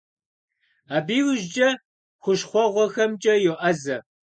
Абы иужькӀэ хущхъуэгъуэхэмкӀэ йоӀэзэ.